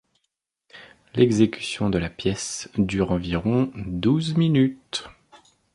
L'exécution de la pièce dure environ douze minutes.